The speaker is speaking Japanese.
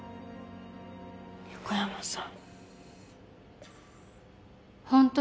横山さん